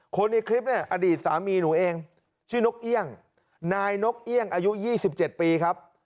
ในคลิปเนี่ยอดีตสามีหนูเองชื่อนกเอี่ยงนายนกเอี่ยงอายุ๒๗ปีครับ